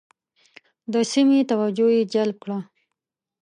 د سیمې توجه یې جلب کړه.